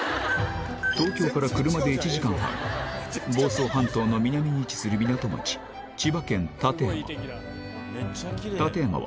東京から車で１時間半、房総半島の南に位置する港町、千葉県館山。